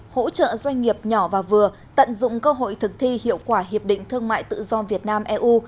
hỗ trợ doanh nghiệp nhỏ và vừa tận dụng cơ hội thực thi hiệu quả hiệp định thương mại tự do việt nam eu